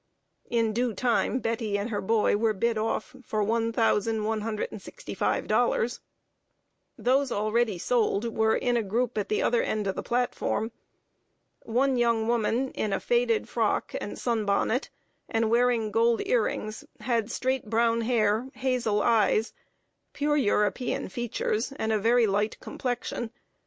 In due time, Betty and her boy were bid off for $1,165. [Sidenote: SALE OF A WHITE GIRL.] Those already sold were in a group at the other end of the platform. One young woman, in a faded frock and sun bonnet, and wearing gold ear rings, had straight brown hair, hazel eyes, pure European features, and a very light complexion.